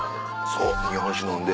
そう日本酒飲んで。